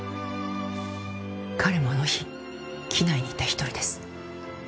彼もあの日機内にいた一人です。